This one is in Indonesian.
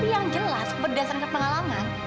yang jelas berdasarkan pengalaman